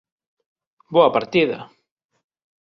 Boa partida.